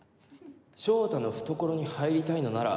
翔太の懐に入りたいのなら。